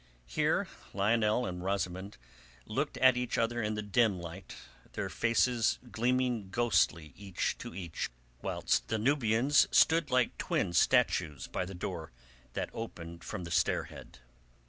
Here Lionel and Rosamund looked at each other in the dim light, their faces gleaming ghostly each to each, whilst the Nubians stood like twin statues by the door that opened from the stair head.